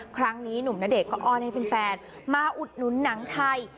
ครั้งนี้หนุ่มณเดชน์ก็อ้อนให้แฟนมาอุดหนุนหนังไทย